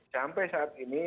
sampai saat ini